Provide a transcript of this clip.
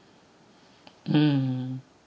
うん。